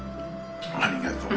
ありがとう。